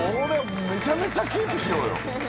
めちゃめちゃキープしようよ。